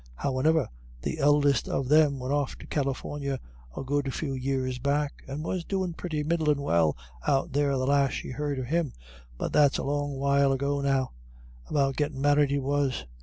Howane'er, the eldest of them went off to California a good few years back, and was doin' pretty middlin' well out there the last she heard of him, but that's a long while ago now; about gettin' married he was.